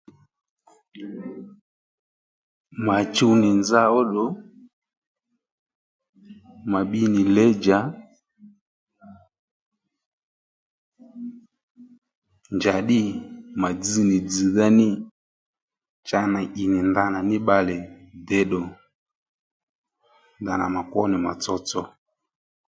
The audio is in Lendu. Ma chùw nì nza ó ddù mà bbi nì lědjà njàddí mà dzz nì dzz̀dha ní cha ney ì nì ndana ní bbalè děddù ndana mà kwó nì mà tsotso